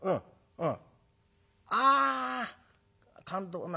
うん。